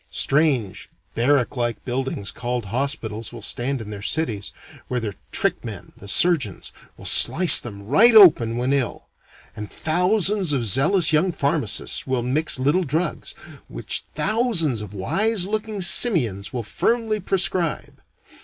Strange barrack like buildings called hospitals will stand in their cities, where their trick men, the surgeons, will slice them right open when ill; and thousands of zealous young pharmacists will mix little drugs, which thousands of wise looking simians will firmly prescribe.